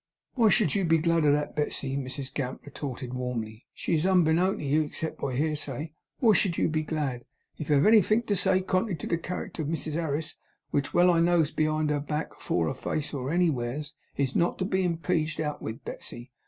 'Why should you be glad of that, Betsey?' Mrs Gamp retorted, warmly. 'She is unbeknown to you except by hearsay, why should you be glad? If you have anythink to say contrairy to the character of Mrs Harris, which well I knows behind her back, afore her face, or anywheres, is not to be impeaged, out with it, Betsey.